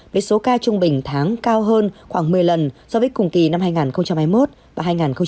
với số ca trung bình tháng cao hơn khoảng một mươi lần so với cùng kỳ năm hai nghìn hai mươi một và hai nghìn hai mươi hai